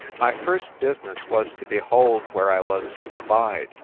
My first business was to behold where I was to abide.